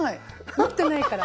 持ってないから。